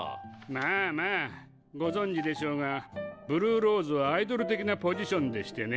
まあまあご存じでしょうがブルーローズはアイドル的なポジションでしてね